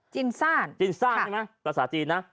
จินซ่านจินซ่านใช่ไหมภาษาจีนนะ